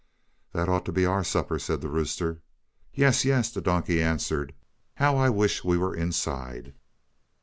"That ought to be our supper," said the rooster. "Yes, yes," the donkey answered; "how I wish we were inside."